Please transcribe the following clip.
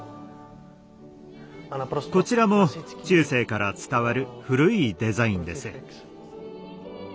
こちらも中世から伝わる古いデザインです。